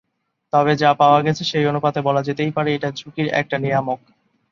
তবে যা পাওয়া গেছে, সেই অনুপাতে বলা যেতেই পারে এটা ঝুঁকির একটা নিয়ামক।